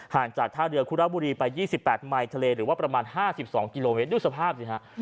จากท่าเรือคุระบุรีไป๒๘ไมค์ทะเลหรือว่าประมาณ๕๒กิโลเมตรดูสภาพสิฮะ